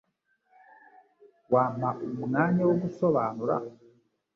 Wampa umwanya wo gusobanura?